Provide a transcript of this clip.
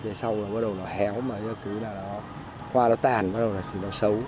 thế sau là bắt đầu nó héo mà những thứ là đó hoa nó tàn bắt đầu là nó xấu